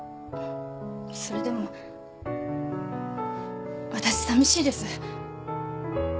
それでも私さみしいです。